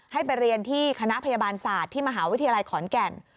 ให้ไปเรียนที่คณะพยาบาลศาสตร์ที่มหาวิทยาลัยขอนแก่น